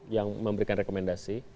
yang memberikan rekomendasi